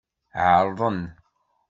Ɛeṛḍen.